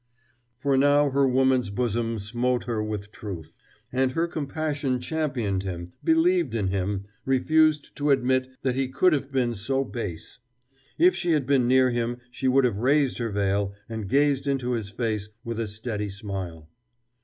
For now her woman's bosom smote her with ruth, and her compassion championed him, believed in him, refused to admit that he could have been so base. If she had been near him she would have raised her veil, and gazed into his face with a steady smile!